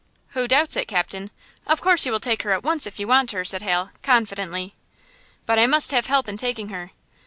"Who doubts it, captain? Of course you will take her at once if you want her," said Hal, confidently. "But, I must have help in taking her."